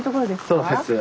そうです。